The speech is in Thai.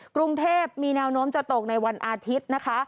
กรุงเทพมีแนวโน้มจะตกในวันอาทิตย์นะคะ